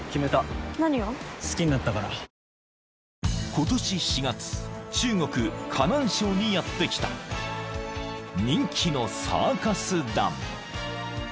［今年４月中国河南省にやって来た人気のサーカス団］